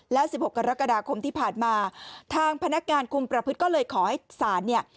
แล้ว๑๖กรกฎาคมที่ผ่านมาทางพนักงานคุมประพฤติก็เลยขอให้ศาลเนี่ย